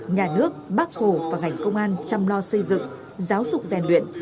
nhà nước bác hồ và ngành công an chăm lo xây dựng giáo dục rèn luyện